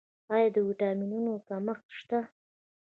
آیا د ویټامینونو کمښت شته؟